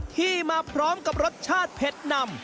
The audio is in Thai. ที่มาพร้อมกับรสชาติเผ็ดนำ